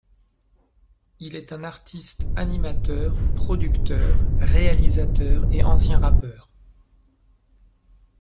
Il est un artiste animateur, producteur, réalisateur et ancien rappeur.